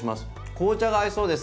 紅茶が合いそうです。